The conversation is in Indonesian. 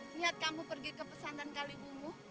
niat kamu pergi ke pesantan kaliummu